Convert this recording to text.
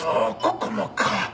ここもか。